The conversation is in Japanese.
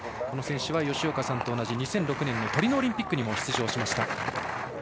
この選手は吉岡さんと同じ２００６年のトリノオリンピックにも出場しました。